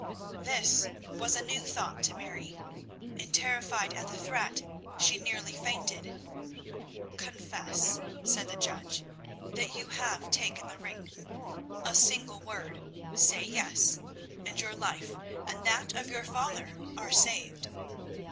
This was a new thought to Mary, and, terrified at the threat, she nearly fainted. "Confess," said the judge, "that you have taken the ring. A single word say yes, and your life and that of your father are saved."